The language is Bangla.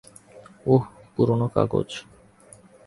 উহ, পুরোনো কাগজ।